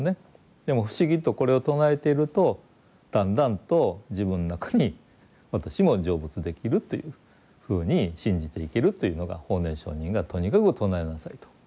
でも不思議とこれを唱えているとだんだんと自分の中に私も成仏できるというふうに信じて生きるというのが法然上人がとにかく唱えなさいと。